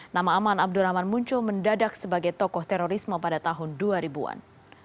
nama aman abdurrahman muncul mendadak sebagai tokoh terorisme pada tahun dua ribu an